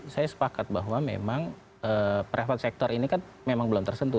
saya sepakat bahwa memang private sector ini kan memang belum tersentuh